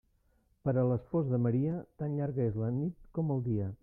Per a l'espòs de Maria tan llarga és la nit com el dia.